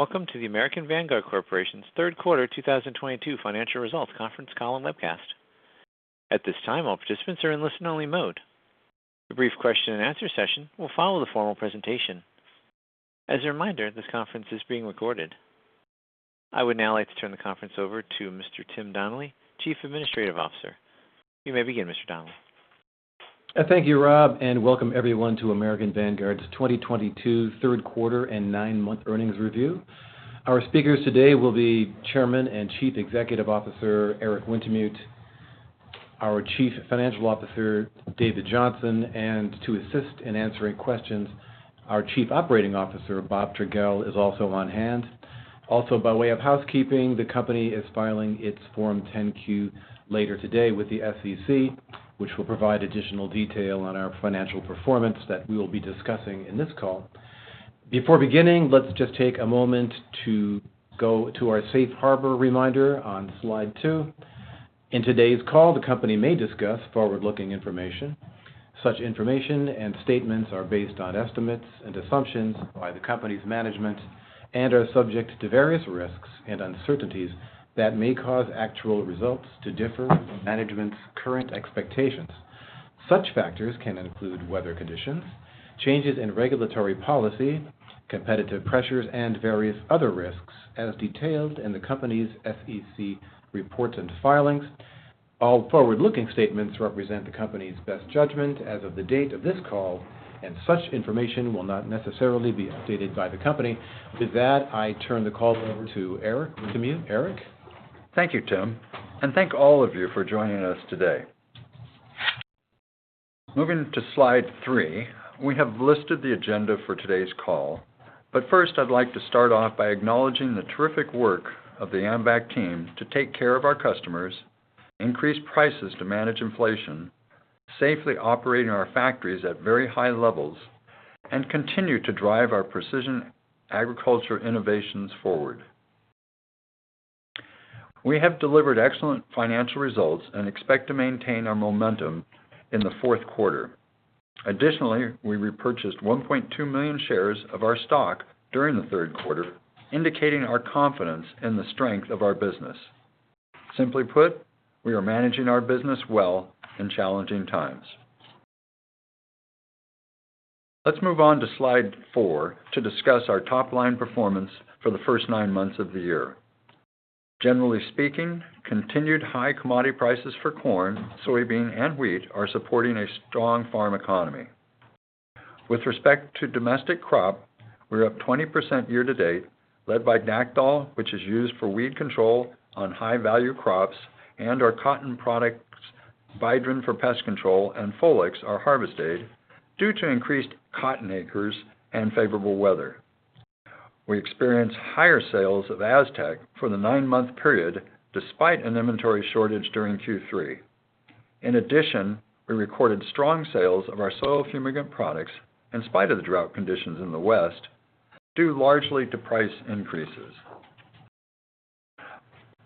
Welcome to the American Vanguard Corporation's third quarter 2022 financial results conference call and webcast. At this time, all participants are in listen-only mode. A brief question-and-answer session will follow the formal presentation. As a reminder, this conference is being recorded. I would now like to turn the conference over to Mr. Tim Donnelly, Chief Administrative Officer. You may begin, Mr. Donnelly. Thank you, Rob, and welcome everyone to American Vanguard's 2022 third quarter and nine-month earnings review. Our speakers today will be Chairman and Chief Executive Officer, Eric Wintemute, our Chief Financial Officer, David Johnson. To assist in answering questions, our Chief Operating Officer, Bob Trogele, is also on hand. Also, by way of housekeeping, the company is filing its Form 10-Q later today with the SEC, which will provide additional detail on our financial performance that we will be discussing in this call. Before beginning, let's just take a moment to go to our safe harbor reminder on slide 2. In today's call, the company may discuss forward-looking information. Such information and statements are based on estimates and assumptions by the company's management and are subject to various risks and uncertainties that may cause actual results to differ from management's current expectations. Such factors can include weather conditions, changes in regulatory policy, competitive pressures, and various other risks as detailed in the company's SEC reports and filings. All forward-looking statements represent the company's best judgment as of the date of this call, and such information will not necessarily be updated by the company. With that, I turn the call over to Eric Wintemute. Eric? Thank you, Tim, and thank all of you for joining us today. Moving to slide three, we have listed the agenda for today's call. First, I'd like to start off by acknowledging the terrific work of the AMVAC team to take care of our customers, increase prices to manage inflation, safely operating our factories at very high levels, and continue to drive our precision agriculture innovations forward. We have delivered excellent financial results and expect to maintain our momentum in the fourth quarter. Additionally, we repurchased 1.2 million shares of our stock during the third quarter, indicating our confidence in the strength of our business. Simply put, we are managing our business well in challenging times. Let's move on to slide four to discuss our top-line performance for the first nine months of the year. Generally speaking, continued high commodity prices for corn, soybean, and wheat are supporting a strong farm economy. With respect to domestic crop, we're up 20% year to date, led by Dacthal, which is used for weed control on high-value crops and our cotton products, Bidrin for pest control and Folex, our harvest aid, due to increased cotton acres and favorable weather. We experienced higher sales of Aztec for the nine-month period despite an inventory shortage during Q3. In addition, we recorded strong sales of our soil fumigant products in spite of the drought conditions in the West, due largely to price increases.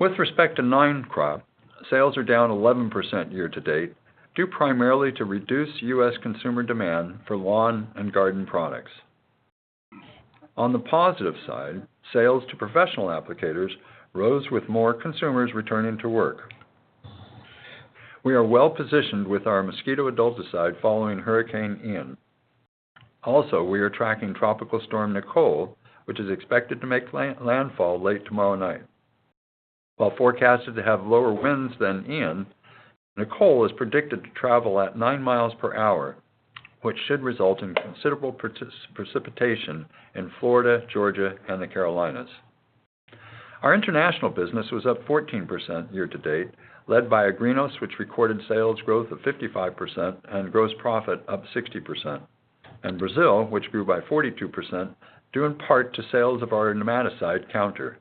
With respect to non-crop, sales are down 11% year to date, due primarily to reduced U.S. consumer demand for lawn and garden products. On the positive side, sales to professional applicators rose with more consumers returning to work. We are well-positioned with our mosquito adulticide following Hurricane Ian. Also, we are tracking Tropical Storm Nicole, which is expected to make landfall late tomorrow night. While forecasted to have lower winds than Ian, Nicole is predicted to travel at 9 mph which should result in considerable precipitation in Florida, Georgia, and the Carolinas. Our international business was up 14% year to date, led by Agrinos, which recorded sales growth of 55% and gross profit up 60%. Brazil, which grew by 42% due in part to sales of our nematicide, Counter.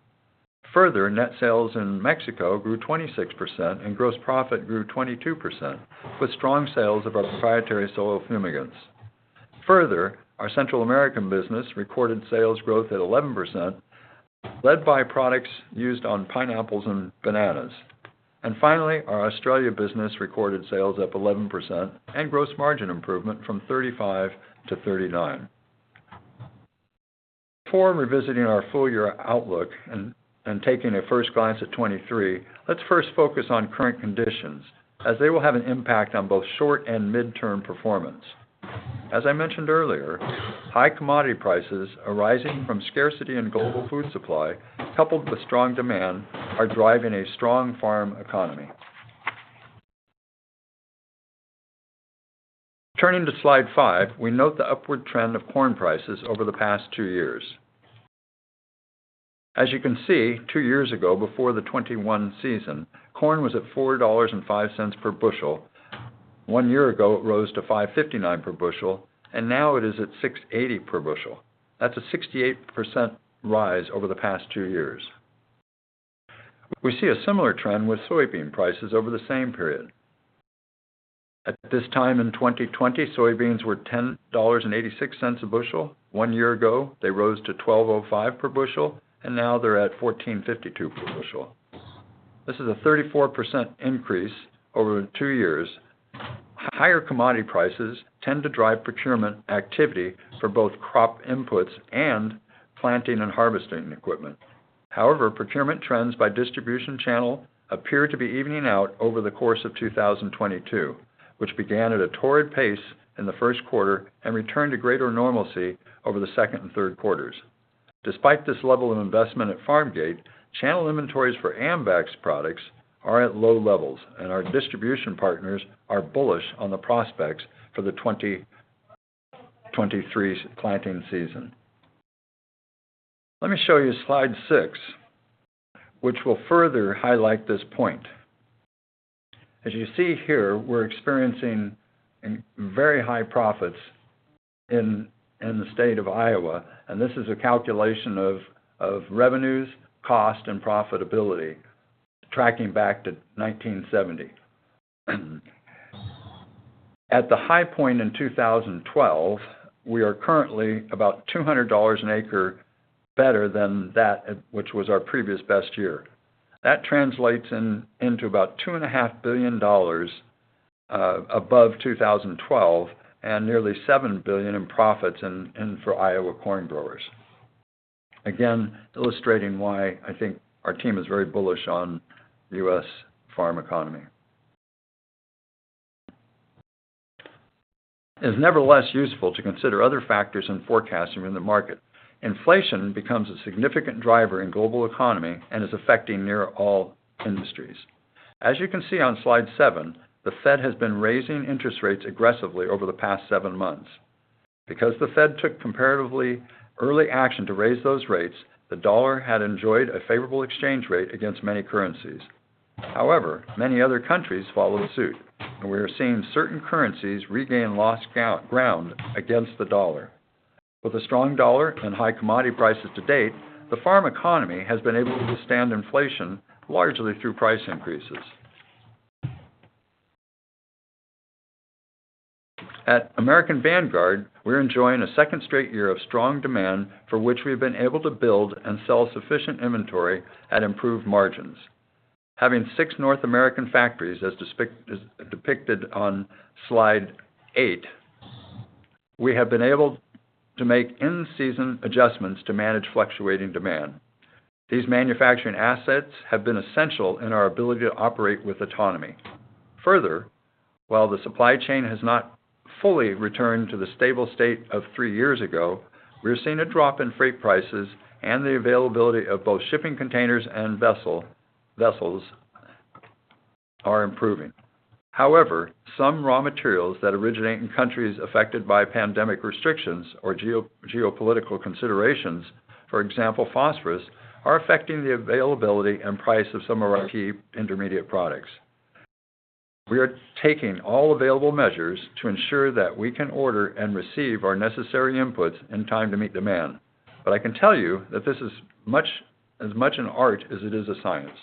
Further, net sales in Mexico grew 26% and gross profit grew 22% with strong sales of our proprietary soil fumigants. Further, our Central American business recorded sales growth at 11%, led by products used on pineapples and bananas. Finally, our Australia business recorded sales up 11% and gross margin improvement from 35%-39%. Before revisiting our full-year outlook and taking a first glance at 2023, let's first focus on current conditions as they will have an impact on both short- and mid-term performance. As I mentioned earlier, high commodity prices arising from scarcity in global food supply, coupled with strong demand, are driving a strong farm economy. Turning to Slide 5, we note the upward trend of corn prices over the past two years. As you can see, two years ago, before the 2021 season, corn was at $4.05 per bushel. One year ago, it rose to $5.59 per bushel, and now it is at $6.80 per bushel. That's a 68% rise over the past two years. We see a similar trend with soybean prices over the same period. At this time in 2020, soybeans were $10.86 a bushel. One year ago, they rose to $12.05 per bushel, and now they're at $14.52 per bushel. This is a 34% increase over two years. Higher commodity prices tend to drive procurement activity for both crop inputs and planting and harvesting equipment. However, procurement trends by distribution channel appear to be evening out over the course of 2022, which began at a torrid pace in the first quarter and returned to greater normalcy over the second and third quarters. Despite this level of investment at farmgate, channel inventories for AMVAC's products are at low levels, and our distribution partners are bullish on the prospects for the 2023's planting season. Let me show you slide 6, which will further highlight this point. As you see here, we're experiencing very high profits in the state of Iowa, and this is a calculation of revenues, cost, and profitability tracking back to 1970. At the high point in 2012, we are currently about $200 an acre better than that which was our previous best year. That translates into about $2.5 billion above 2012 and nearly $7 billion in profits for Iowa corn growers. Again, illustrating why I think our team is very bullish on the U.S. farm economy. It is nevertheless useful to consider other factors in forecasting the market. Inflation becomes a significant driver in the global economy and is affecting nearly all industries. As you can see on slide 7, the Fed has been raising interest rates aggressively over the past seven months. Because the Fed took comparatively early action to raise those rates, the dollar had enjoyed a favorable exchange rate against many currencies. However, many other countries followed suit, and we are seeing certain currencies regain lost ground against the dollar. With a strong dollar and high commodity prices to date, the farm economy has been able to withstand inflation largely through price increases. At American Vanguard, we're enjoying a second straight year of strong demand for which we've been able to build and sell sufficient inventory at improved margins. Having six North American factories, as depicted on slide 8, we have been able to make in-season adjustments to manage fluctuating demand. These manufacturing assets have been essential in our ability to operate with autonomy. Further, while the supply chain has not fully returned to the stable state of three years ago, we are seeing a drop in freight prices and the availability of both shipping containers and vessels are improving. However, some raw materials that originate in countries affected by pandemic restrictions or geo-geopolitical considerations, for example, phosphorus, are affecting the availability and price of some of our key intermediate products. We are taking all available measures to ensure that we can order and receive our necessary inputs in time to meet demand. I can tell you that this is as much an art as it is a science.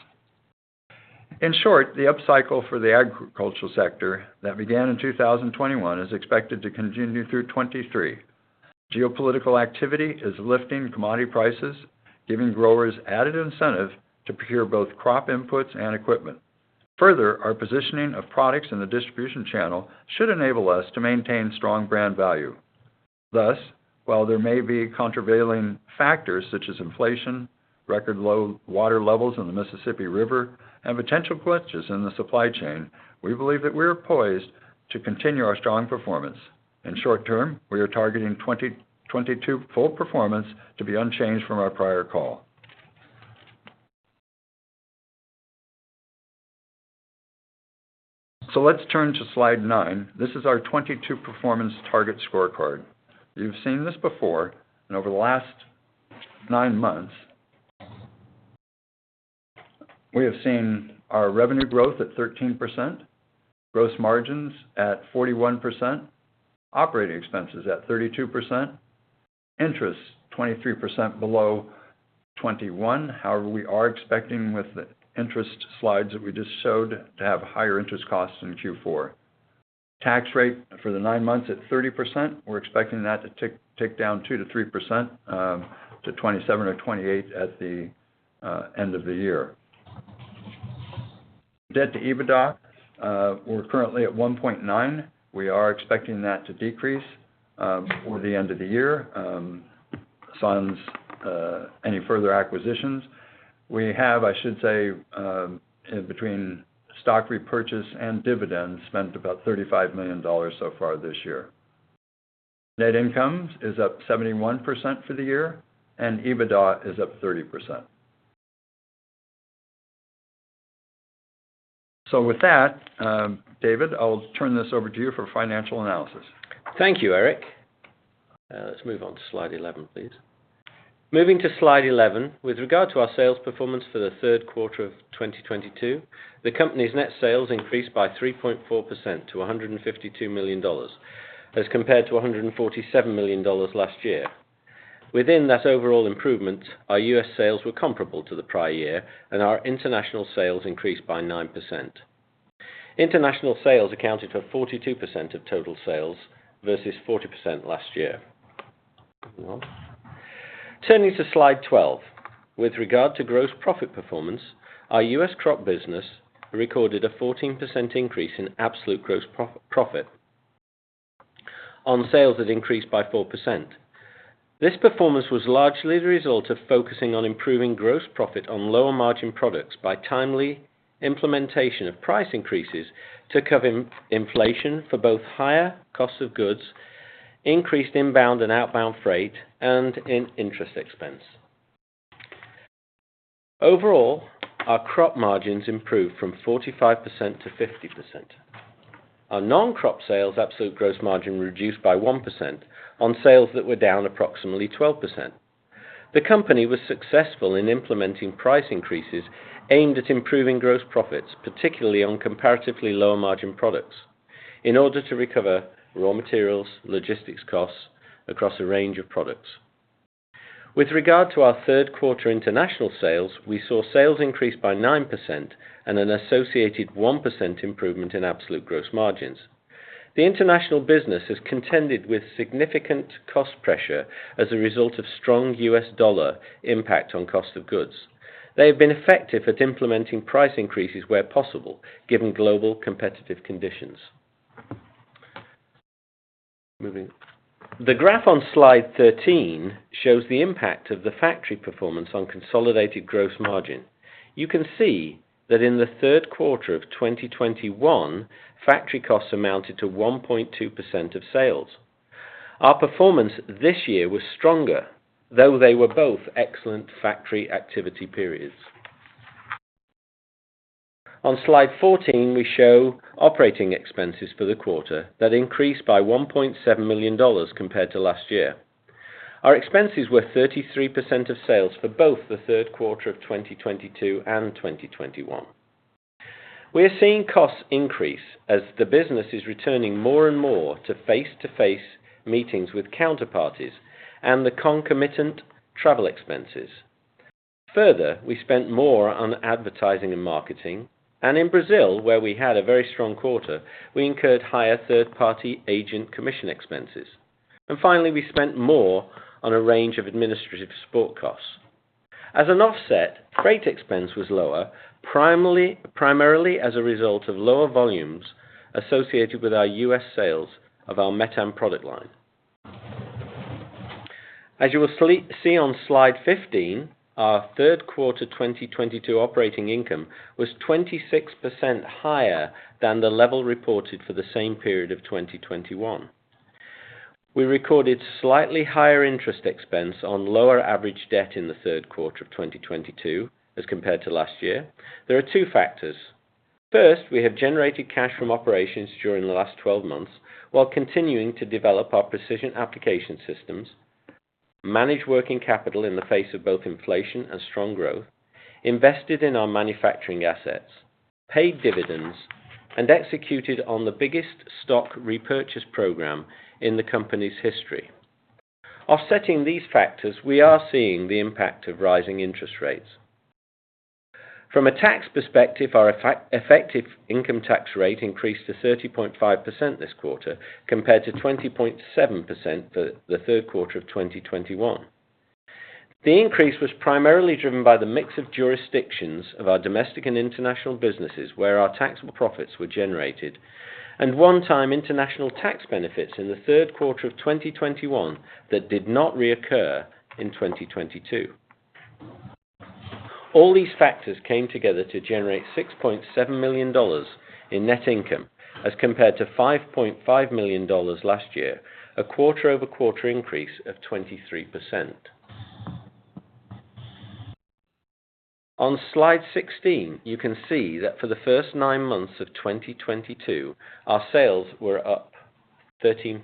In short, the upcycle for the agricultural sector that began in 2021 is expected to continue through 2023. Geopolitical activity is lifting commodity prices, giving growers added incentive to procure both crop inputs and equipment. Further, our positioning of products in the distribution channel should enable us to maintain strong brand value. Thus, while there may be countervailing factors such as inflation, record low water levels in the Mississippi River, and potential glitches in the supply chain, we believe that we are poised to continue our strong performance. In short term, we are targeting 2022 full performance to be unchanged from our prior call. Let's turn to slide 9. This is our 2022 performance target scorecard. You've seen this before, and over the last nine months, we have seen our revenue growth at 13%, gross margins at 41%, operating expenses at 32%, interest 23% below 2021. However, we are expecting with the interest slides that we just showed to have higher interest costs in Q4. Tax rate for the nine months at 30%. We're expecting that to tick down 2%-3% to $27 million or $28 million at the end of the year. Debt to EBITDA, we're currently at 1.9x. We are expecting that to decrease before the end of the year, besides any further acquisitions. We have, I should say, in between stock repurchase and dividends, spent about $35 million so far this year. Net income is up 71% for the year, and EBITDA is up 30%. With that, David, I'll turn this over to you for financial analysis. Thank you, Eric. Let's move on to slide 11, please. Moving to slide 11, with regard to our sales performance for the third quarter of 2022, the company's net sales increased by 3.4% to $152 million as compared to $147 million last year. Within that overall improvement, our U.S. sales were comparable to the prior year, and our international sales increased by 9%. International sales accounted for 42% of total sales versus 40% last year. Turning to slide 12. With regard to gross profit performance, our U.S. crop business recorded a 14% increase in absolute gross profit on sales that increased by 4%. This performance was largely the result of focusing on improving gross profit on lower margin products by timely implementation of price increases to cover inflation for both higher costs of goods, increased inbound and outbound freight, and interest expense. Overall, our crop margins improved from 45%-50%. Our non-crop sales absolute gross margin reduced by 1% on sales that were down approximately 12%. The company was successful in implementing price increases aimed at improving gross profits, particularly on comparatively lower margin products, in order to recover raw materials, logistics costs across a range of products. With regard to our third quarter international sales, we saw sales increase by 9% and an associated 1% improvement in absolute gross margins. The international business has contended with significant cost pressure as a result of strong U.S. dollar impact on cost of goods. They have been effective at implementing price increases where possible, given global competitive conditions. The graph on slide 13 shows the impact of the factory performance on consolidated gross margin. You can see that in the third quarter of 2021, factory costs amounted to 1.2% of sales. Our performance this year was stronger, though they were both excellent factory activity periods. On slide 14, we show operating expenses for the quarter that increased by $1.7 million compared to last year. Our expenses were 33% of sales for both the third quarter of 2022 and 2021. We are seeing costs increase as the business is returning more and more to face-to-face meetings with counterparties and the concomitant travel expenses. Further, we spent more on advertising and marketing, and in Brazil, where we had a very strong quarter, we incurred higher third-party agent commission expenses. Finally, we spent more on a range of administrative support costs. As an offset, freight expense was lower, primarily as a result of lower volumes associated with our U.S. sales of our Metam product line. As you will see on slide 15, our third quarter 2022 operating income was 26% higher than the level reported for the same period of 2021. We recorded slightly higher interest expense on lower average debt in the third quarter of 2022 as compared to last year. There are two factors. First, we have generated cash from operations during the last 12 months while continuing to develop our precision application systems, manage working capital in the face of both inflation and strong growth, invested in our manufacturing assets, paid dividends, and executed on the biggest stock repurchase program in the company's history. Offsetting these factors, we are seeing the impact of rising interest rates. From a tax perspective, our effective income tax rate increased to 30.5% this quarter compared to 20.7% the third quarter of 2021. The increase was primarily driven by the mix of jurisdictions of our domestic and international businesses where our taxable profits were generated, and one-time international tax benefits in the third quarter of 2021 that did not reoccur in 2022. All these factors came together to generate $6.7 million in net income as compared to $5.5 million last year, a quarter-over-quarter increase of 23%. On slide 16, you can see that for the first nine months of 2022, our sales were up 13%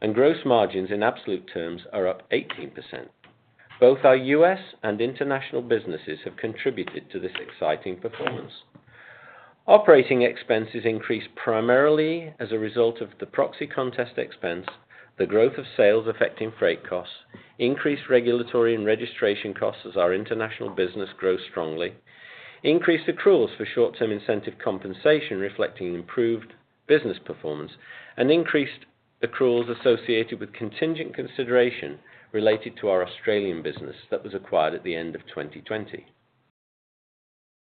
and gross margins in absolute terms are up 18%. Both our U.S. and international businesses have contributed to this exciting performance. Operating expenses increased primarily as a result of the proxy contest expense, the growth of sales affecting freight costs, increased regulatory and registration costs as our international business grows strongly, increased accruals for short-term incentive compensation reflecting improved business performance, and increased accruals associated with contingent consideration related to our Australian business that was acquired at the end of 2020.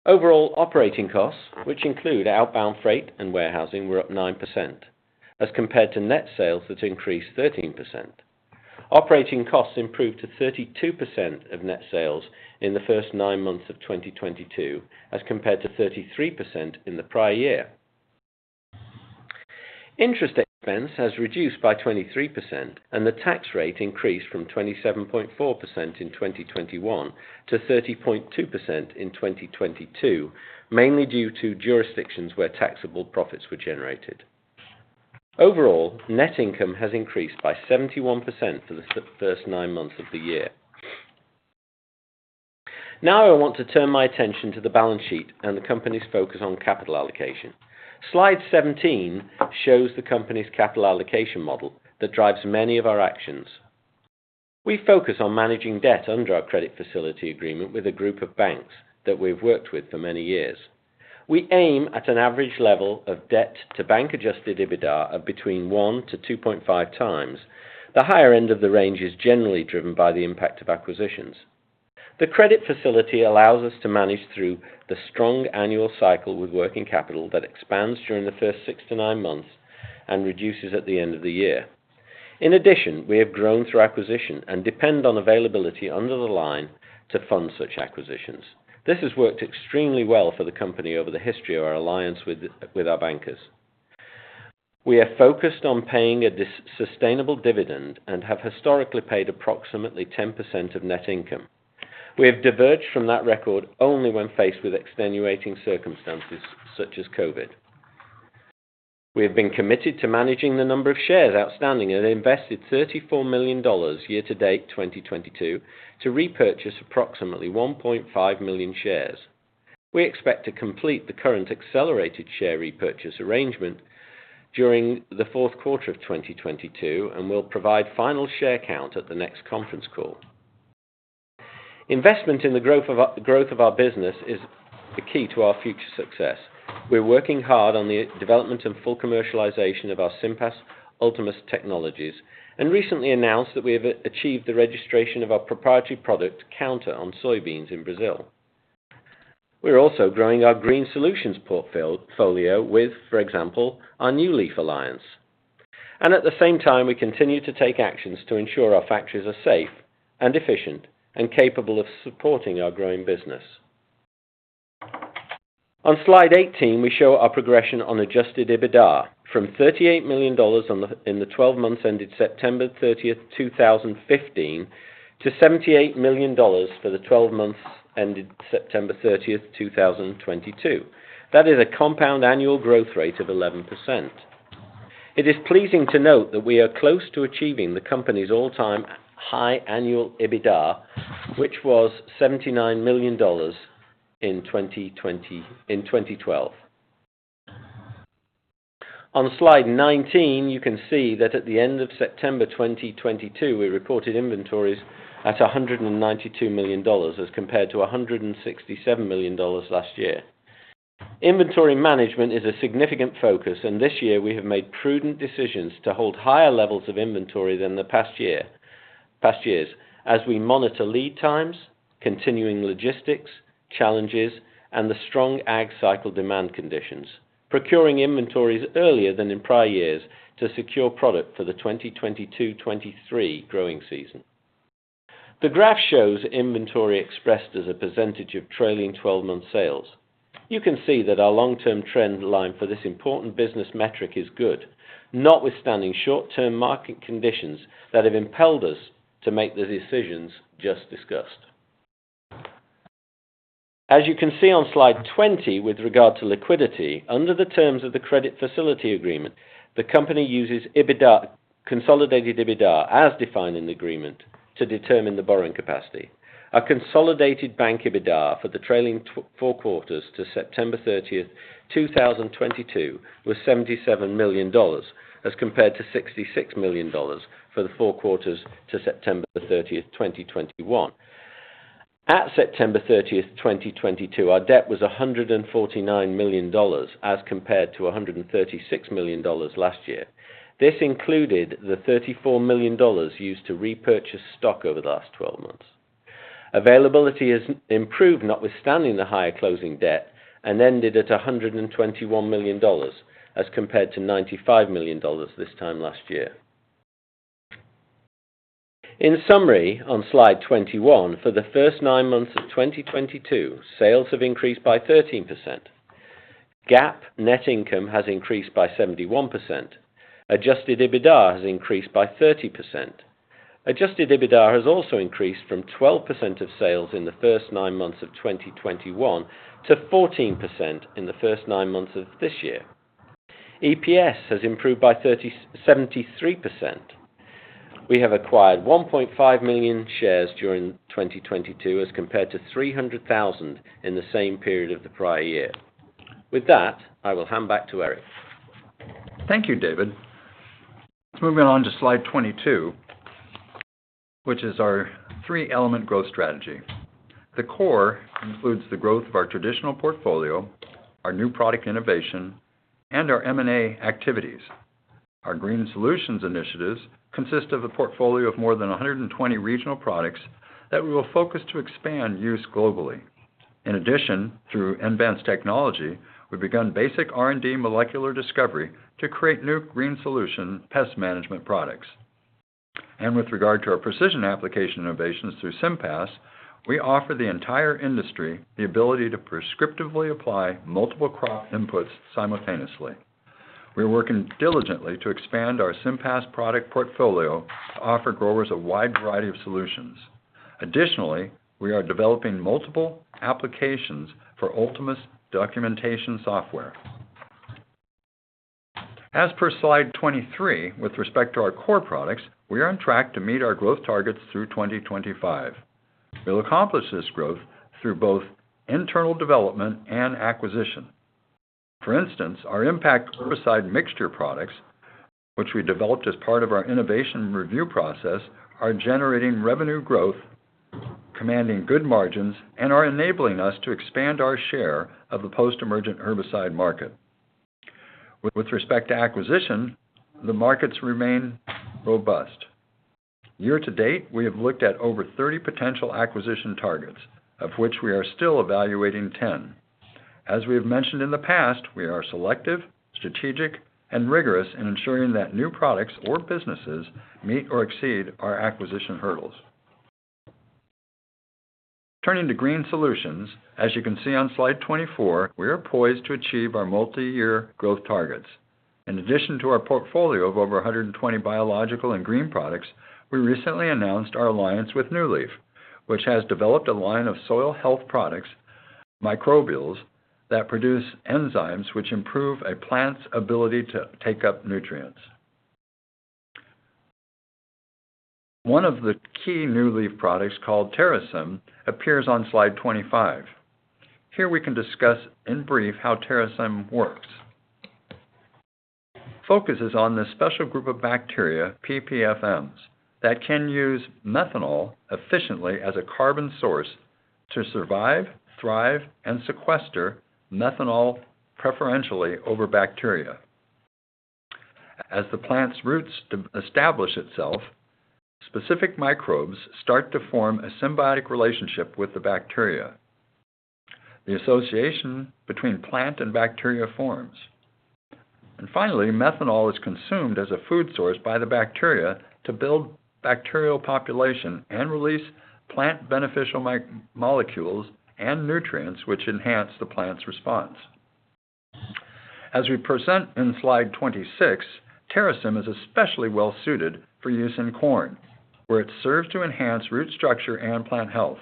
Overall operating costs, which include outbound freight and warehousing, were up 9% as compared to net sales that increased 13%. Operating costs improved to 32% of net sales in the first nine months of 2022, as compared to 33% in the prior year. Interest expense has reduced by 23%, and the tax rate increased from 27.4% in 2021 to 30.2% in 2022, mainly due to jurisdictions where taxable profits were generated. Overall, net income has increased by 71% for the first nine months of the year. Now I want to turn my attention to the balance sheet and the company's focus on capital allocation. Slide 17 shows the company's capital allocation model that drives many of our actions. We focus on managing debt under our credit facility agreement with a group of banks that we've worked with for many years. We aim at an average level of debt to bank adjusted EBITDA of between 1x-2.5 times. The higher end of the range is generally driven by the impact of acquisitions. The credit facility allows us to manage through the strong annual cycle with working capital that expands during the first six to nine months and reduces at the end of the year. In addition, we have grown through acquisition and depend on availability under the line to fund such acquisitions. This has worked extremely well for the company over the history of our alliance with our bankers. We are focused on paying a sustainable dividend and have historically paid approximately 10% of net income. We have diverged from that record only when faced with extenuating circumstances such as COVID. We have been committed to managing the number of shares outstanding and have invested $34 million year-to-date 2022 to repurchase approximately 1.5 million shares. We expect to complete the current accelerated share repurchase arrangement during the fourth quarter of 2022, and we'll provide final share count at the next conference call. Investment in the growth of our business is the key to our future success. We're working hard on the development and full commercialization of our SIMPAS Ultimus technologies, and recently announced that we have achieved the registration of our proprietary product Counter on soybeans in Brazil. We're also growing our GreenSolutions portfolio with, for example, our new NewLeaf alliance. At the same time, we continue to take actions to ensure our factories are safe and efficient and capable of supporting our growing business. On slide 18, we show our progression on adjusted EBITDA from $38 million in the 12 months ended September 30, 2015 to $78 million for the 12 months ended September 30, 2022. That is a compound annual growth rate of 11%. It is pleasing to note that we are close to achieving the company's all-time high annual EBITDA, which was $79 million in 2012. On slide 19, you can see that at the end of September 2022, we reported inventories at $192 million as compared to $167 million last year. Inventory management is a significant focus, and this year we have made prudent decisions to hold higher levels of inventory than the past year, past years as we monitor lead times, continuing logistics challenges, and the strong ag cycle demand conditions, procuring inventories earlier than in prior years to secure product for the 2022-2023 growing season. The graph shows inventory expressed as a percentage of trailing 12-month sales. You can see that our long-term trend line for this important business metric is good, notwithstanding short-term market conditions that have impelled us to make the decisions just discussed. As you can see on slide 20 with regard to liquidity, under the terms of the credit facility agreement, the company uses EBITDA, consolidated EBITDA, as defined in the agreement to determine the borrowing capacity. Our consolidated EBITDA for the trailing four quarters to September 30, 2022 was $77 million as compared to $66 million for the four quarters to September 30, 2021. At September 30, 2022, our debt was $149 million as compared to $136 million last year. This included the $34 million used to repurchase stock over the last 12 months. Availability has improved notwithstanding the higher closing debt and ended at $121 million as compared to $95 million this time last year. In summary, on slide 21, for the first nine months of 2022, sales have increased by 13%. GAAP net income has increased by 71%. Adjusted EBITDA has increased by 30%. Adjusted EBITDA has also increased from 12% of sales in the first nine months of 2021 to 14% in the first nine months of this year. EPS has improved by 73%. We have acquired 1.5 million shares during 2022 as compared to 300,000 in the same period of the prior year. With that, I will hand back to Eric. Thank you, David. Moving on to slide 22, which is our three-element growth strategy. The core includes the growth of our traditional portfolio, our new product innovation, and our M&A activities. Our GreenSolutions initiatives consist of a portfolio of more than 120 regional products that we will focus to expand use globally. In addition, through Envance Technologies, we've begun basic R&D molecular discovery to create new GreenSolutions pest management products. With regard to our precision application innovations through SIMPAS, we offer the entire industry the ability to prescriptively apply multiple crop inputs simultaneously. We are working diligently to expand our SIMPAS product portfolio to offer growers a wide variety of solutions. Additionally, we are developing multiple applications for Ultimus documentation software. As per slide 23, with respect to our core products, we are on track to meet our growth targets through 2025. We'll accomplish this growth through both internal development and acquisition. For instance, our impact herbicide mixture products, which we developed as part of our innovation review process, are generating revenue growth, commanding good margins, and are enabling us to expand our share of the post-emergent herbicide market. With respect to acquisition, the markets remain robust. Year to date, we have looked at over 30 potential acquisition targets, of which we are still evaluating 10. As we have mentioned in the past, we are selective, strategic, and rigorous in ensuring that new products or businesses meet or exceed our acquisition hurdles. Turning to GreenSolutions. As you can see on slide 24, we are poised to achieve our multi-year growth targets. In addition to our portfolio of over 120 biological and green products, we recently announced our alliance with NewLeaf, which has developed a line of soil health products, microbials that produce enzymes which improve a plant's ability to take up nutrients. One of the key NewLeaf products called Terrasym appears on slide 25. Here we can discuss in brief how Terrasym works. Focus is on this special group of bacteria, PPFMs, that can use methanol efficiently as a carbon source to survive, thrive, and sequester methanol preferentially over bacteria. As the plant's roots establish itself, specific microbes start to form a symbiotic relationship with the bacteria. The association between plant and bacteria forms. Finally, methanol is consumed as a food source by the bacteria to build bacterial population and release plant beneficial molecules and nutrients which enhance the plant's response. As we present in slide 26, Terrasym is especially well suited for use in corn, where it serves to enhance root structure and plant health.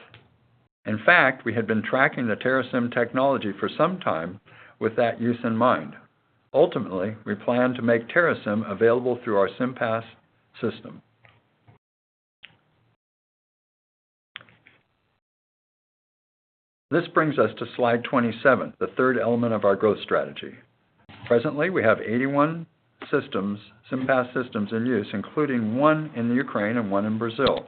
In fact, we have been tracking the Terrasym technology for some time with that use in mind. Ultimately, we plan to make Terrasym available through our SIMPAS system. This brings us to slide 27, the third element of our growth strategy. Presently, we have 81 systems, SIMPAS systems in use, including one in the Ukraine and one in Brazil.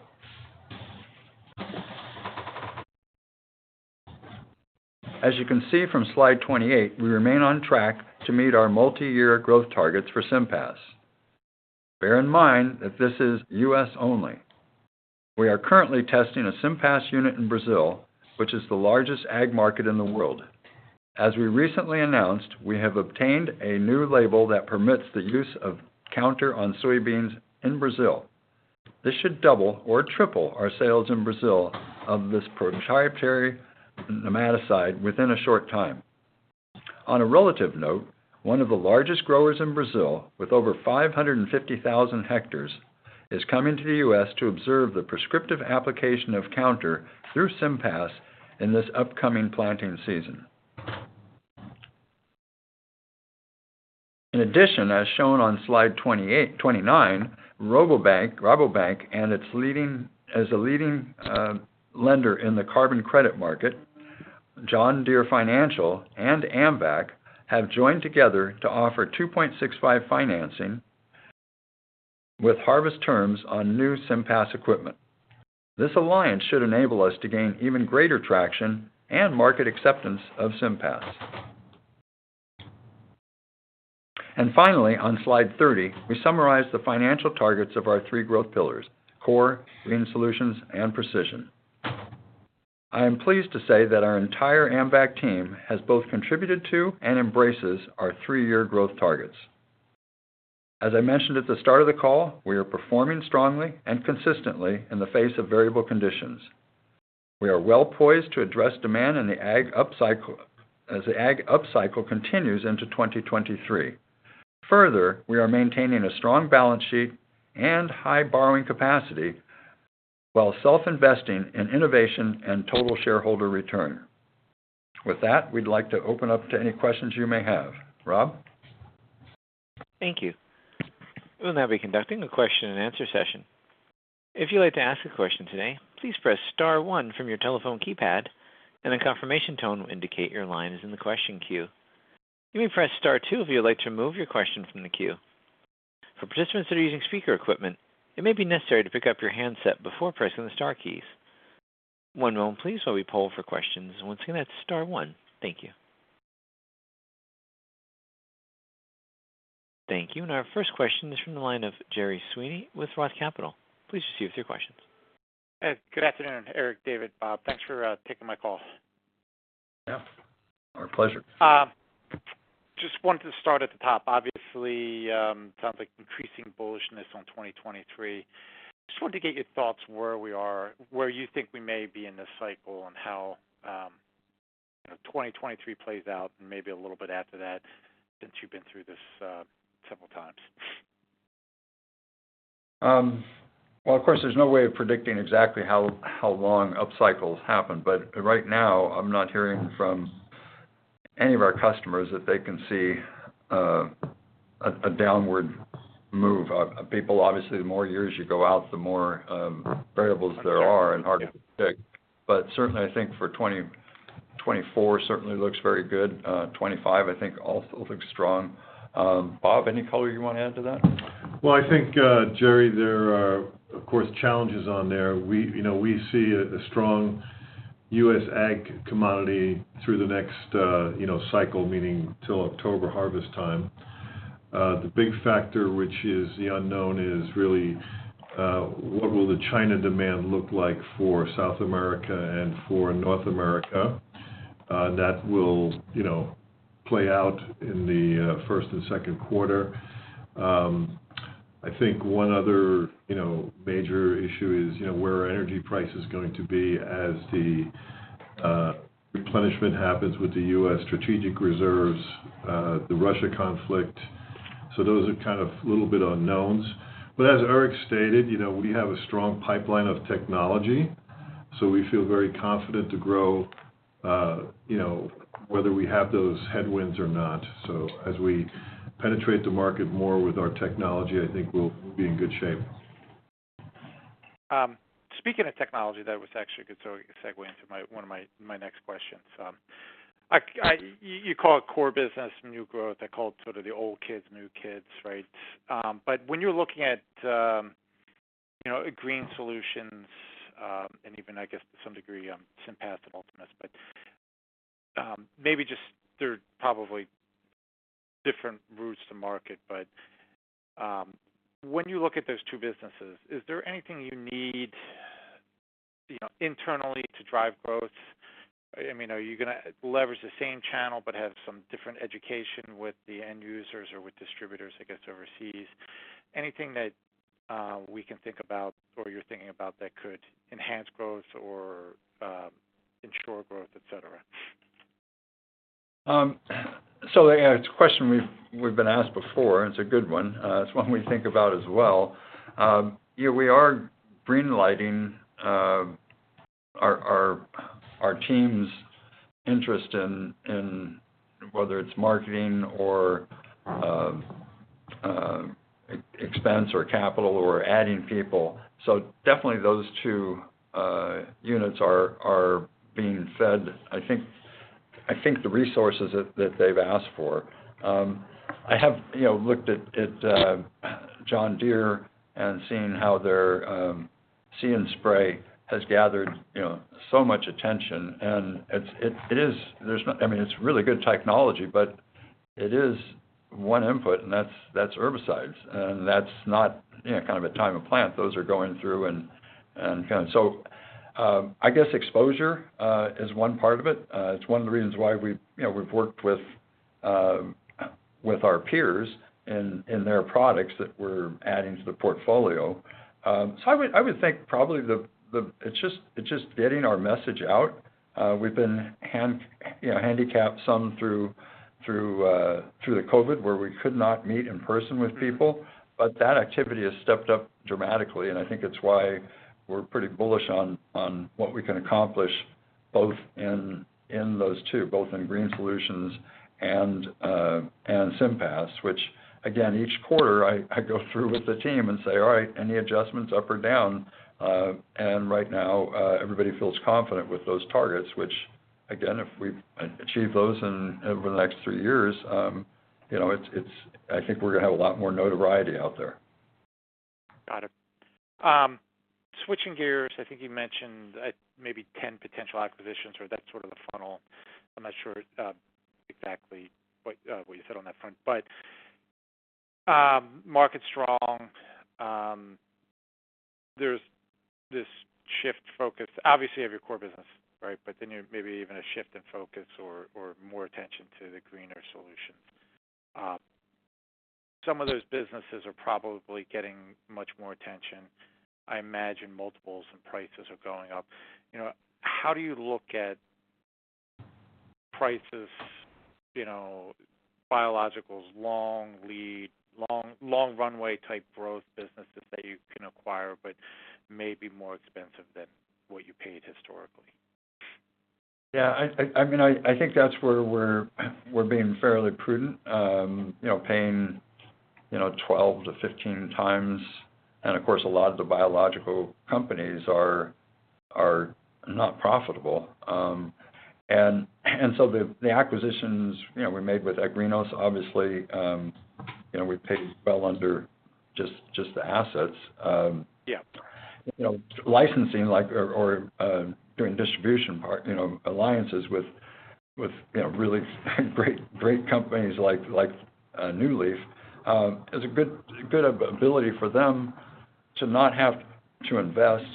As you can see from slide 28, we remain on track to meet our multi-year growth targets for SIMPAS. Bear in mind that this is U.S. only. We are currently testing a SIMPAS unit in Brazil, which is the largest ag market in the world. As we recently announced, we have obtained a new label that permits the use of Counter on soybeans in Brazil. This should double or triple our sales in Brazil of this proprietary nematicide within a short time. On a relative note, one of the largest growers in Brazil with over 550,000 hectares is coming to the U.S. to observe the prescriptive application of Counter through SIMPAS in this upcoming planting season. In addition, as shown on slide 29, Rabobank as a leading lender in the carbon credit market, John Deere Financial and AMVAC have joined together to offer 2.65% financing with harvest terms on new SIMPAS equipment. This alliance should enable us to gain even greater traction and market acceptance of SIMPAS. Finally, on slide 30, we summarize the financial targets of our three growth pillars, core, GreenSolutions, and precision. I am pleased to say that our entire AMVAC team has both contributed to and embraces our three-year growth targets. As I mentioned at the start of the call, we are performing strongly and consistently in the face of variable conditions. We are well poised to address demand in the ag upcycle, as the ag upcycle continues into 2023. Further, we are maintaining a strong balance sheet and high borrowing capacity while self-investing in innovation and total shareholder return. With that, we'd like to open up to any questions you may have. Rob? Thank you. We'll now be conducting a question and answer session. If you'd like to ask a question today, please press star one from your telephone keypad and a confirmation tone will indicate your line is in the question queue. You may press star two if you would like to remove your question from the queue. For participants that are using speaker equipment, it may be necessary to pick up your handset before pressing the star keys. One moment please while we poll for questions. Once again, that's star one. Thank you. Thank you. Our first question is from the line of Gerry Sweeney with Roth Capital. Please proceed with your questions. Good afternoon, Eric, David, Bob. Thanks for taking my call. Yeah, our pleasure. Just wanted to start at the top. Obviously, sounds like increasing bullishness on 2023. Just wanted to get your thoughts where you think we may be in this cycle and how, you know, 2023 plays out and maybe a little bit after that since you've been through this, several times. Well, of course, there's no way of predicting exactly how long upcycles happen, but right now I'm not hearing from any of our customers that they can see a downward move. People obviously, the more years you go out, the more variables there are and harder to predict. But certainly I think for 2024 certainly looks very good. 2025 I think also looks strong. Bob, any color you wanna add to that? Well, I think, Jerry, there are, of course, challenges on there. We, you know, we see a strong U.S. ag commodity through the next, you know, cycle, meaning till October harvest time. The big factor, which is the unknown, is really what will the China demand look like for South America and for North America. That will, you know, play out in the first and second quarter. I think one other, you know, major issue is, you know, where our energy price is going to be as the replenishment happens with the U.S. strategic reserves, the Russia conflict. Those are kind of a little bit unknowns. As Eric stated, you know, we have a strong pipeline of technology, so we feel very confident to grow, you know, whether we have those headwinds or not. As we penetrate the market more with our technology, I think we'll be in good shape. Speaking of technology, that was actually a good story, a segue into one of my next questions. You call it core business, new growth. I call it sort of the old kids, new kids, right? When you're looking at, you know, at GreenSolutions, and even I guess to some degree, SIMPAS and Ultimus, but maybe just they're probably different routes to market. When you look at those two businesses, is there anything you need, you know, internally to drive growth? I mean, are you gonna leverage the same channel but have some different education with the end users or with distributors, I guess, overseas? Anything that we can think about or you're thinking about that could enhance growth or ensure growth, et cetera? Yeah, it's a question we've been asked before, and it's a good one. It's one we think about as well. Yeah, we are green lighting our team's interest in whether it's marketing or expense or capital or adding people. Definitely those two units are being fed, I think, the resources that they've asked for. I have, you know, looked at John Deere and seen how their See & Spray has gathered, you know, so much attention. It's really good technology, but it is one input, and that's herbicides. That's not, you know, kind of a time of planting those are going through and kind of. I guess exposure is one part of it. It's one of the reasons why we've, you know, we've worked with our peers in their products that we're adding to the portfolio. I would think probably it's just getting our message out. We've been handicapped some through the COVID, where we could not meet in person with people, but that activity has stepped up dramatically and I think it's why we're pretty bullish on what we can accomplish both in those two, both in GreenSolutions and SIMPAS, which again, each quarter I go through with the team and say, "All right, any adjustments up or down?" And right now, everybody feels confident with those targets, which again, if we achieve those over the next three years, you know, I think we're gonna have a lot more notoriety out there. Got it. Switching gears, I think you mentioned maybe 10 potential acquisitions or that sort of a funnel. I'm not sure exactly what you said on that front. Market's strong. There's this shift focus, obviously of your core business, right? You're maybe even a shift in focus or more attention to the greener solutions. Some of those businesses are probably getting much more attention. I imagine multiples and prices are going up. You know, how do you look at prices, you know, biologicals, long runway type growth businesses that you can acquire but may be more expensive than what you paid historically? Yeah. I mean, I think that's where we're being fairly prudent, you know, paying you know 12x-15x. Of course, a lot of the biological companies are not profitable. So the acquisitions, you know, we made with Agrinos, obviously, you know, we paid well under just the assets. Yeah. You know, licensing or doing distribution part, you know, alliances with, you know, really great companies like NewLeaf is a good ability for them to not have to invest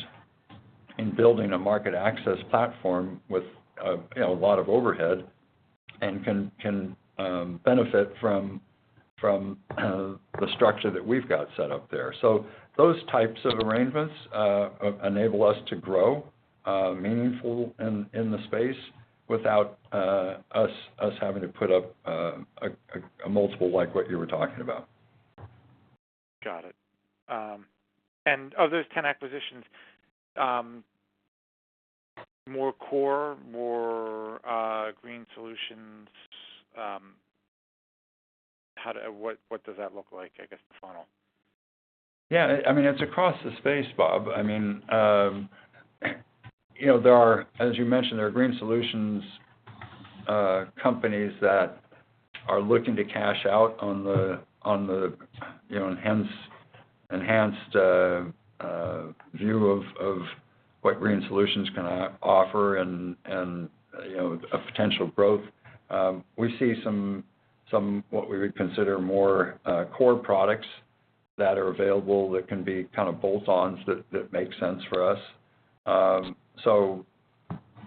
in building a market access platform with, you know, a lot of overhead and can benefit from the structure that we've got set up there. Those types of arrangements enable us to grow meaningfully in the space without us having to put up a multiple like what you were talking about. Got it. Of those 10 acquisitions, more core, more GreenSolutions, what does that look like, I guess, the funnel? Yeah. I mean, it's across the space, Bob. I mean, you know, as you mentioned, there are GreenSolutions companies that are looking to cash out on the, you know, enhanced view of what GreenSolutions can offer and, you know, a potential growth. We see some what we would consider more core products that are available that can be kind of bolt-ons that make sense for us. So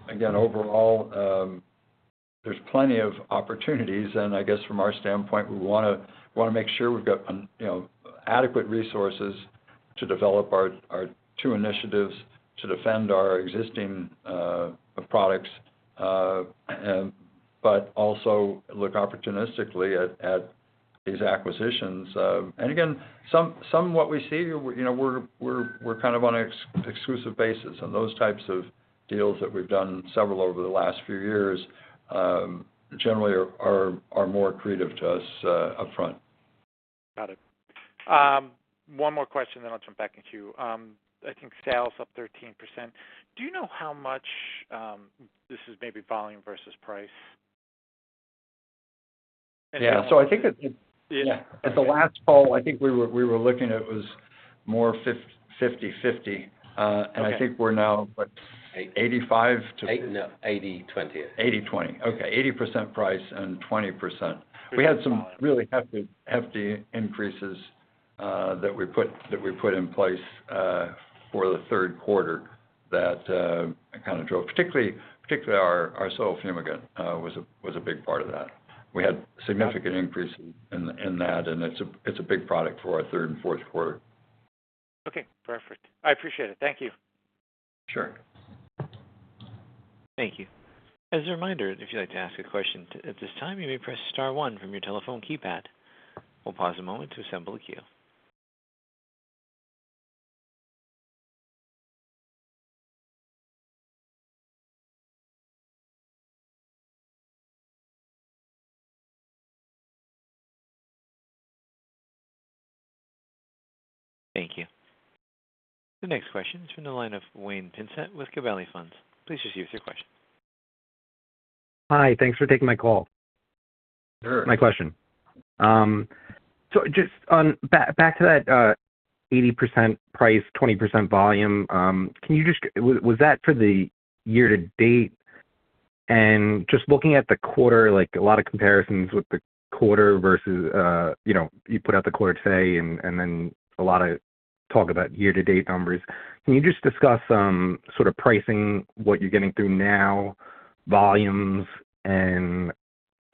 again, overall, there's plenty of opportunities. I guess from our standpoint, we wanna make sure we've got, you know, adequate resources to develop our two initiatives to defend our existing products, but also look opportunistically at these acquisitions. Again, somewhat what we see, you know, we're kind of on an exclusive basis. Those types of deals that we've done several over the last few years, generally are more accretive to us, upfront. Got it. One more question, then I'll jump back in queue. I think sales up 13%. Do you know how much this is maybe volume versus price? Yeah. I think Yeah. At the last call, I think we were looking at it was more 50/50. Okay. I think we're now what, 85% to. 80/20. 80/20. Okay. 80% price and 20%. We had some really hefty increases that we put in place for the third quarter that kind of drove. Particularly our soil fumigant was a big part of that. We had significant increase in that, and it's a big product for our third and fourth quarter. Okay. Perfect. I appreciate it. Thank you. Sure. Thank you. As a reminder, if you'd like to ask a question at this time, you may press star one from your telephone keypad. We'll pause a moment to assemble the queue. Thank you. The next question is from the line of Wayne Pinsent with Gabelli Funds. Please proceed with your question. Hi. Thanks for taking my call. Sure. My question. So just back to that, 80% price, 20% volume. Was that for the year-to-date? Just looking at the quarter, like a lot of comparisons with the quarter versus, you know, you put out the quarter today and then a lot of talk about year-to-date numbers. Can you just discuss sort of pricing, what you're getting through now, volumes and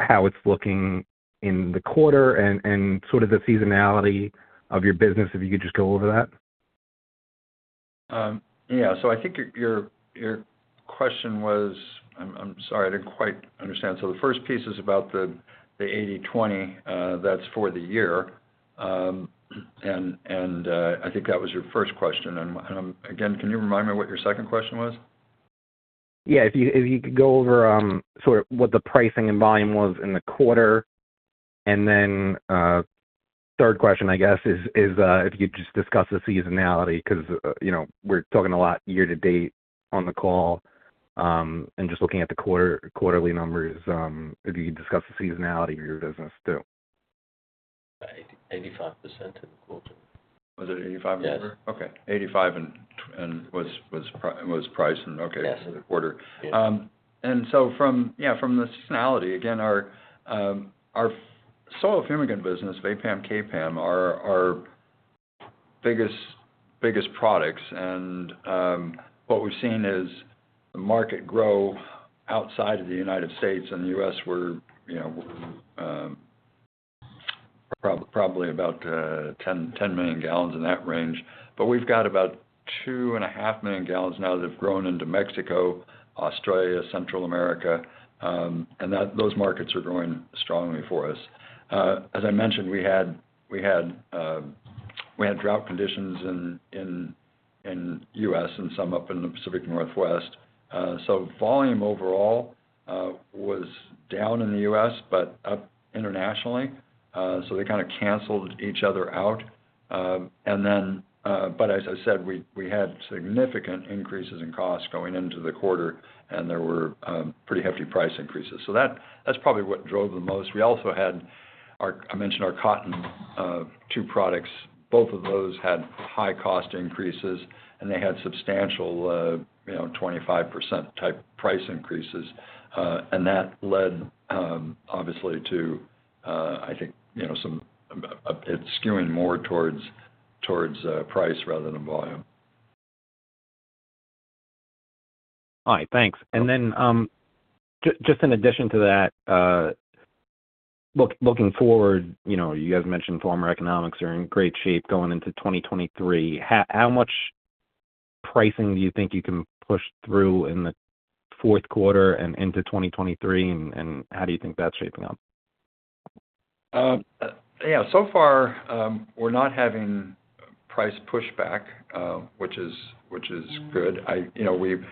how it's looking in the quarter and sort of the seasonality of your business, if you could just go over that? Yeah. I think your question was. I'm sorry. I didn't quite understand. The first piece is about the 80/20. That's for the year. I think that was your first question. Again, can you remind me what your second question was? Yeah. If you could go over sort of what the pricing and volume was in the quarter. Third question, I guess, is if you could just discuss the seasonality because, you know, we're talking a lot year to date on the call, and just looking at the quarter-over-quarter numbers, if you could discuss the seasonality of your business too. 85% in the quarter. Was it 85%? Yes. Okay. $85 and $20 and was priced and okay. Yes for the quarter. Yeah. From the seasonality, again, our soil fumigant business, Vapam, K-Pam are our biggest products. What we've seen is the market grow outside of the United States. In the U.S., we're, you know, probably about 10 million gallons, in that range. But we've got about 2.5 million gallons now that have grown into Mexico, Australia, Central America, and those markets are growing strongly for us. As I mentioned, we had drought conditions in the U.S. and some up in the Pacific Northwest. Volume overall was down in the U.S., but up internationally, so they kinda canceled each other out. As I said, we had significant increases in costs going into the quarter, and there were pretty hefty price increases. That's probably what drove the most. I mentioned our cotton two products. Both of those had high cost increases, and they had substantial, you know, 25% type price increases. That led obviously to, I think, you know, some. It's skewing more towards price rather than volume. All right. Thanks. Yep. Just in addition to that, looking forward, you know, you guys mentioned farmer economics are in great shape going into 2023. How much pricing, do you think you can push through in the fourth quarter and into 2023, and how do you think that's shaping up? Yeah, so far, we're not having price pushback, which is good. You know, we've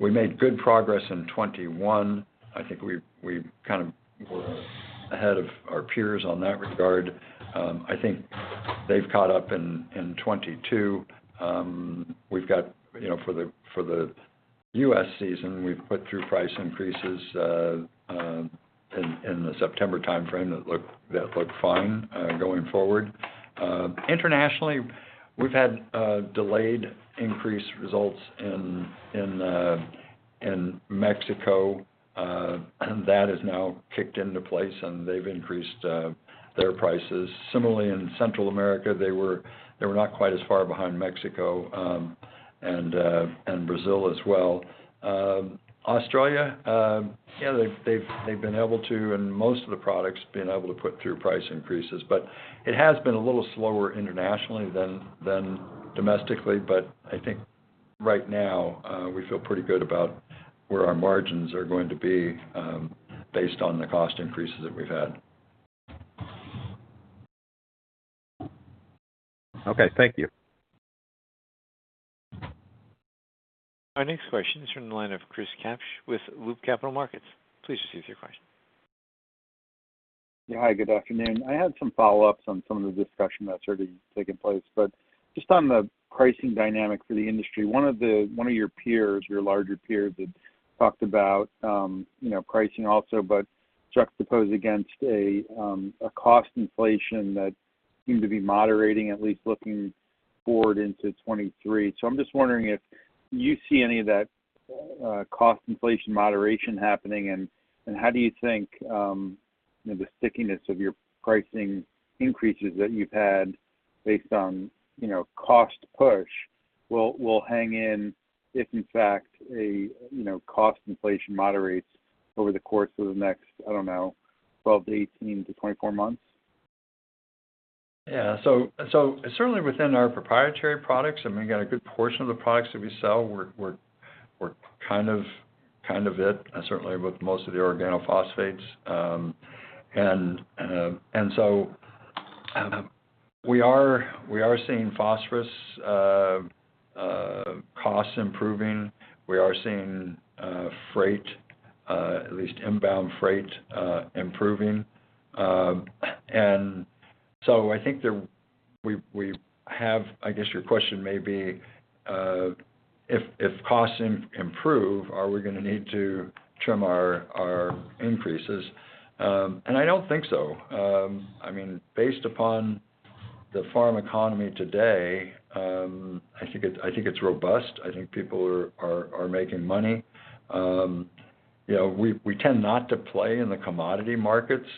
made good progress in 2021. I think we kind of were ahead of our peers on that regard. I think they've caught up in 2022. We've got, you know, for the U.S. season, we've put through price increases in the September timeframe that look fine going forward. Internationally, we've had delayed increase results in Mexico, and that has now kicked into place, and they've increased their prices. Similarly, in Central America, they were not quite as far behind Mexico and Brazil as well. Australia, yeah, they've been able to put through price increases in most of the products. It has been a little slower internationally than domestically. I think right now, we feel pretty good about where our margins are going to be, based on the cost increases that we've had. Okay. Thank you. Our next question is from the line of Chris Kapsch with Loop Capital Markets. Please proceed with your question. Yeah. Hi, good afternoon. I had some follow-ups on some of the discussion that's already taken place. Just on the pricing dynamic for the industry, one of your peers, your larger peers had talked about, you know, pricing also, but juxtaposed against a cost inflation that seemed to be moderating, at least looking forward into 2023. I'm just wondering if you see any of that cost inflation moderation happening, and how do you think, you know, the stickiness of your pricing increases that you've had based on, you know, cost push will hang in if in fact a cost inflation moderates over the course of the next, I don't know, 12 to 18 to 24 months? Yeah. Certainly within our proprietary products, I mean, we've got a good portion of the products that we sell, we're kind of it, certainly with most of the organophosphates. We are seeing phosphorus costs improving. We are seeing freight, at least inbound freight, improving. I think. I guess your question may be, if costs improve, are we gonna need to trim our increases? I don't think so. I mean, based upon the farm economy today, I think it's robust. I think people are making money. You know, we tend not to play in the commodity markets.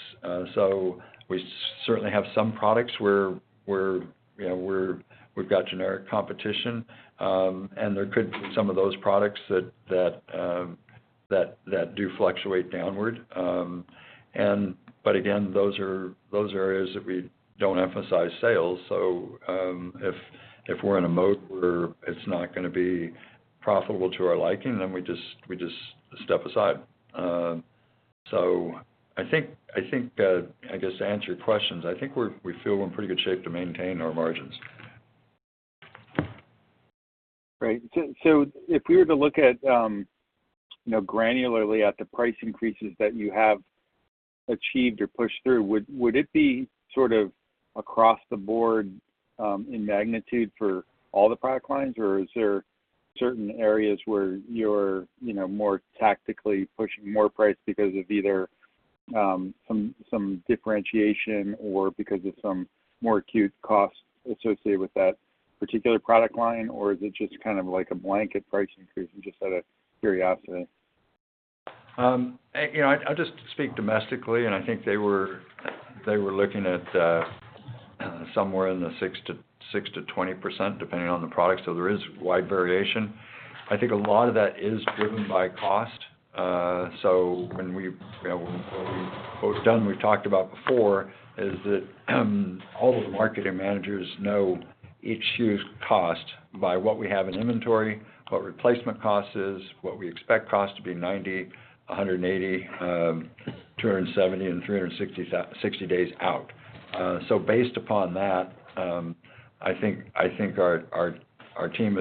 We certainly have some products where we've got generic competition, you know, and there could be some of those products that do fluctuate downward. But again, those are areas that we don't emphasize sales. If we're in a mode where it's not gonna be profitable to our liking, then we just step aside. I guess to answer your questions, I think we feel we're in pretty good shape to maintain our margins. Great. If we were to look at, you know, granularly at the price increases that you have achieved or pushed through, would it be sort of across the board, in magnitude for all the product lines? Or is there certain areas where you're, you know, more tactically pushing more price because of either, some differentiation or because of some more acute costs associated with that particular product line? Or is it just kind of like a blanket price increase? Just out of curiosity. You know, I'll just speak domestically, and I think they were looking at somewhere in the 6%-20%, depending on the product. There is wide variation. I think a lot of that is driven by cost. You know, what we've both done, we've talked about before, is that all of the marketing managers know each SKU's cost by what we have in inventory, what replacement cost is, what we expect cost to be 90, 180, 270, and 360 days out. Based upon that, I think our team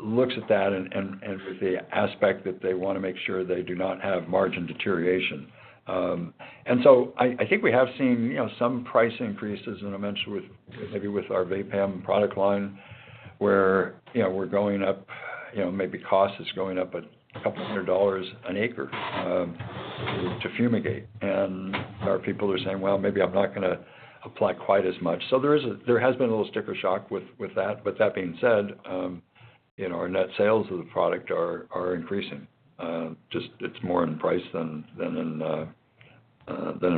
looks at that and with the aspect that they wanna make sure they do not have margin deterioration. I think we have seen, you know, some price increases, and I mentioned with, maybe with our Vapam product line, where, you know, we're going up, you know, maybe cost is going up $200 an acre to fumigate. Our people are saying, "Well, maybe I'm not gonna apply quite as much." There has been a little sticker shock with that. That being said, you know, our net sales of the product are increasing. Just it's more in price than in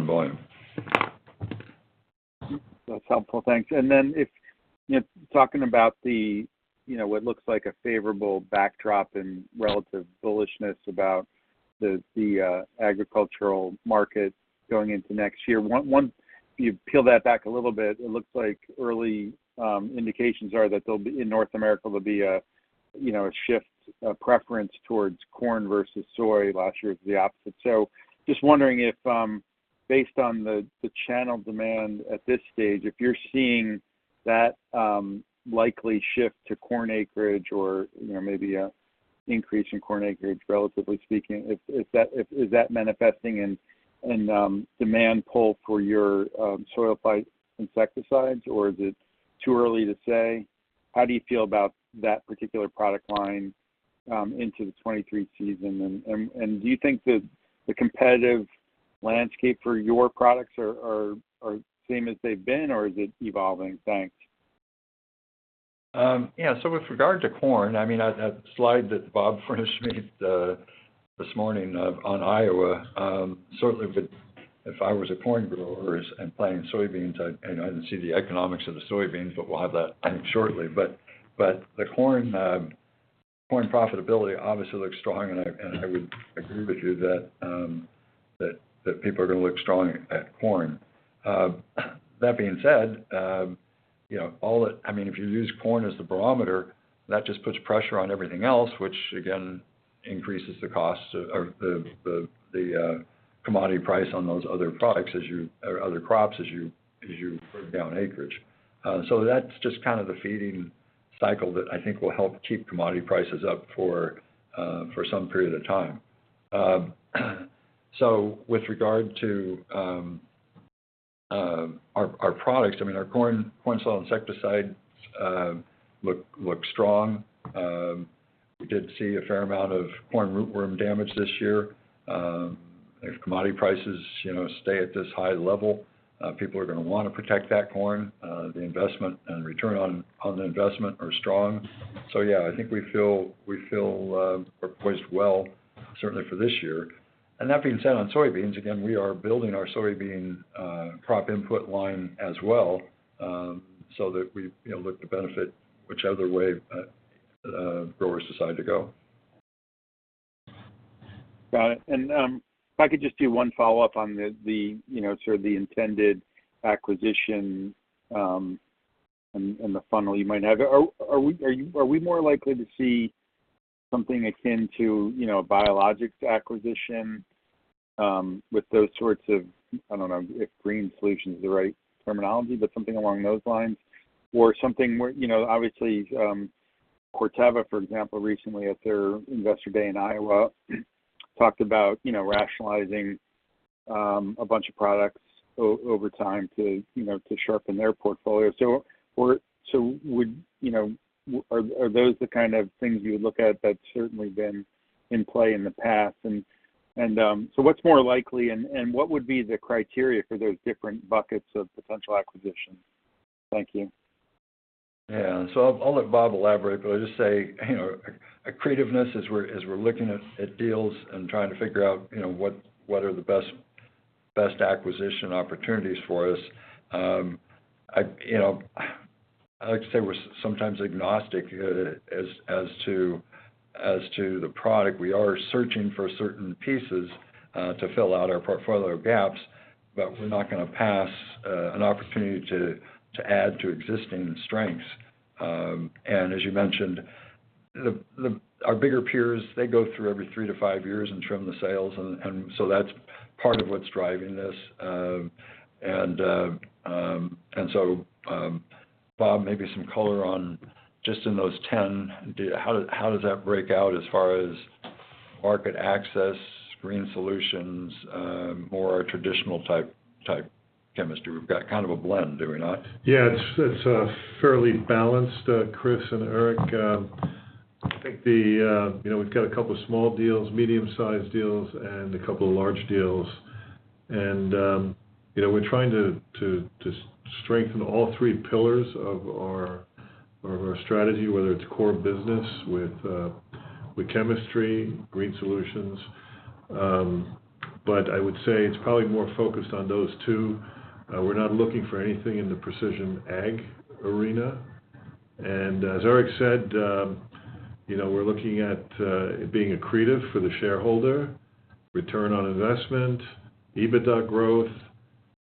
volume. That's helpful. Thanks. If you know, talking about the you know, what looks like a favorable backdrop and relative bullishness about the agricultural market going into next year, you peel that back a little bit, it looks like early indications are that there'll be in North America a you know, a shift of preference towards corn versus soy. Last year it was the opposite. Just wondering if based on the channel demand at this stage, if you're seeing that likely shift to corn acreage or you know, maybe a increase in corn acreage, relatively speaking. Is that manifesting in demand pull for your soil-applied insecticides, or is it too early to say? How do you feel about that particular product line into the 2023 season? Do you think that the competitive landscape for your products are the same as they've been or is it evolving? Thanks. Yeah. With regard to corn, I mean, a slide that Bob furnished me this morning on Iowa certainly with. If I was a corn grower and planting soybeans, I know I didn't see the economics of the soybeans, but we'll have that shortly. The corn profitability obviously looks strong, and I would agree with you that people are gonna look strongly at corn. That being said, you know, all that I mean, if you use corn as the barometer, that just puts pressure on everything else, which again increases the costs of the commodity price on those other products or other crops as you put down acreage. That's just kind of the feeding cycle that I think will help keep commodity prices up for some period of time. With regard to our products, I mean, our corn soil insecticide looks strong. We did see a fair amount of corn rootworm damage this year. If commodity prices, you know, stay at this high level, people are gonna wanna protect that corn. The investment and return on investment are strong. Yeah, I think we're poised well, certainly for this year. That being said, on soybeans, again, we are building our soybean crop input line as well, so that we, you know, look to benefit whichever way growers decide to go. Got it. If I could just do one follow-up on the you know, sort of the intended acquisition, and the funnel you might have. Are we more likely to see something akin to, you know, a biologics acquisition, with those sorts of, I don't know if Green Solutions is the right terminology, but something along those lines? Or something where, you know, obviously, Corteva, for example, recently at their investor day in Iowa talked about, you know, rationalizing a bunch of products over time to, you know, to sharpen their portfolio. Would, you know, are those the kind of things you would look at that has certainly been in play in the past and. What's more likely and what would be the criteria for those different buckets of potential acquisitions? Thank you. Yeah. I'll let Bob elaborate, but I'll just say, you know, accretiveness as we're looking at deals and trying to figure out, you know, what are the best acquisition opportunities for us. I, you know, I'd like to say we're sometimes agnostic as to the product. We are searching for certain pieces to fill out our portfolio gaps, but we're not gonna pass an opportunity to add to existing strengths. As you mentioned, our bigger peers, they go through every three to five years and trim the sails and so that's part of what's driving this. Bob, maybe some color on just in those 10, how does that break out as far as market access, Green Solutions, more traditional type chemistry? We've got kind of a blend, do we not? It's fairly balanced, Chris and Eric. I think you know, we've got a couple small deals, medium-sized deals, and a couple of large deals. You know, we're trying to strengthen all three pillars of our strategy, whether it's core business with chemistry, Green Solutions. I would say it's probably more focused on those two. We're not looking for anything in the precision ag arena. As Eric said, you know, we're looking at being accretive for the shareholder, return on investment, EBITDA growth,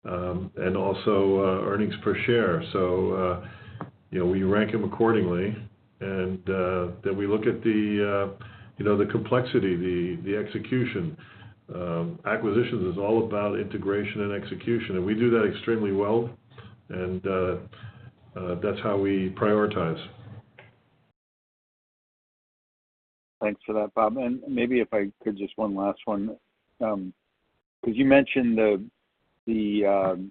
and also earnings per share. You know, we rank them accordingly, and then we look at you know, the complexity, the execution. Acquisitions is all about integration and execution, and we do that extremely well. That's how we prioritize. Thanks for that, Bob. Maybe if I could just one last one. 'Cause you mentioned the I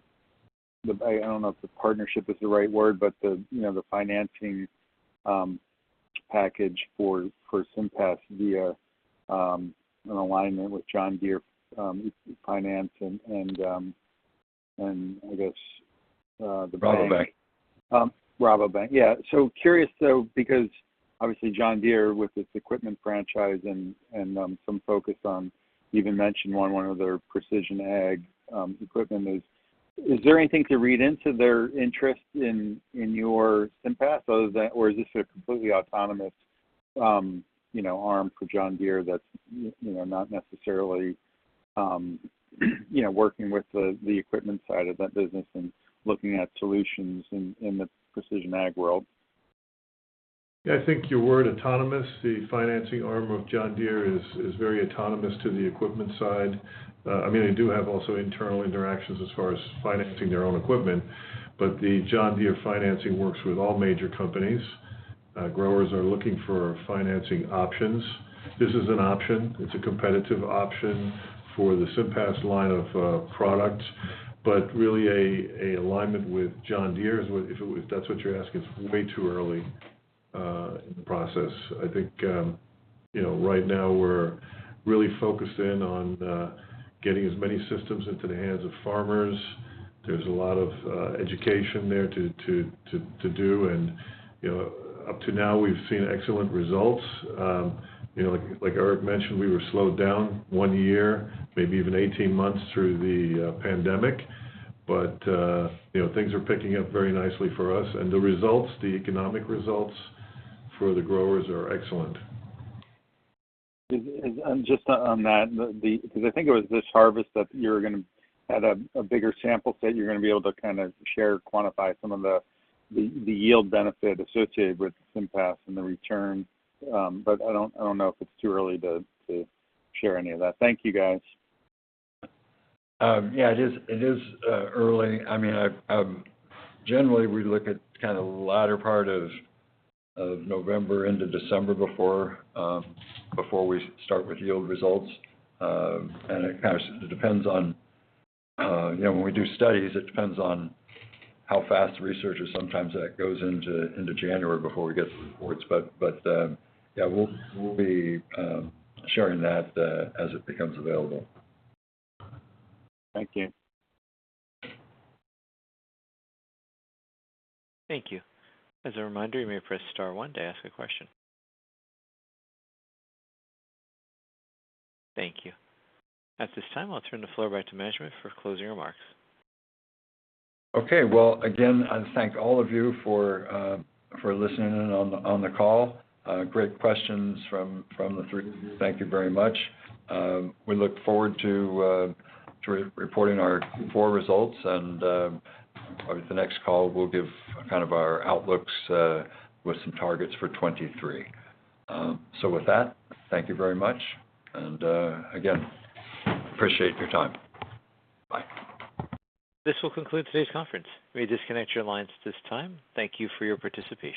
don't know if the partnership is the right word, but you know the financing package for SIMPAS via an alignment with John Deere Financial and I guess the bank- Rabobank. Rabobank. Curious though, because obviously John Deere with its equipment franchise and some focus on, you even mentioned one of their precision ag equipment. Is there anything to read into their interest in your SIMPAS other than or is this a completely autonomous, you know, arm for John Deere that's you know, not necessarily, you know, working with the equipment side of that business and looking at solutions in the precision ag world? I think the word autonomous, the financing arm of John Deere is very autonomous to the equipment side. I mean, they do have also internal interactions as far as financing their own equipment, but the John Deere Financial works with all major companies. Growers are looking for financing options. This is an option. It's a competitive option for the SIMPAS line of product. But really, an alignment with John Deere is what, if that's what you're asking, it's way too early in the process. I think, you know, right now we're really focused in on getting as many systems into the hands of farmers. There's a lot of education there to do and, you know, we've seen excellent results. You know, like Eric mentioned, we were slowed down one year, maybe even 18 months through the pandemic. You know, things are picking up very nicely for us. The results, the economic results for the growers are excellent. Just on that, because I think it was this harvest that you're gonna have a bigger sample set, you're gonna be able to kind of share, quantify some of the yield benefit associated with SIMPAS and the return. I don't know if it's too early to share any of that. Thank you, guys. Yeah, it is early. I mean, generally we look at kinda the latter part of November into December before we start with yield results. It kind of depends on, you know, when we do studies, how fast researchers. Sometimes that goes into January before we get the reports. Yeah, we'll be sharing that as it becomes available. Thank you. Thank you. As a reminder, you may press star one to ask a question. Thank you. At this time, I'll turn the floor back to management for closing remarks. Okay. Well, again, I thank all of you for listening in on the call. Great questions from the three of you. Thank you very much. We look forward to reporting our Q4 results and at the next call, we'll give kind of our outlooks with some targets for 2023. With that, thank you very much, and again, appreciate your time. Bye. This will conclude today's conference. You may disconnect your lines at this time. Thank you for your participation.